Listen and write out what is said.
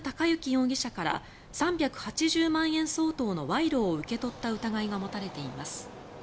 容疑者から３８０万円相当の賄賂を受け取った疑いが持たれています。